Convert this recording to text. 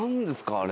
あれ。